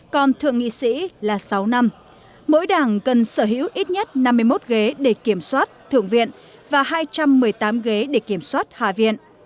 còn thượng nghị sĩ là sáu năm mỗi đảng cần sở hữu ít nhất năm mươi một ghế để kiểm soát thượng viện và hai trăm một mươi tám ghế để kiểm soát hạ viện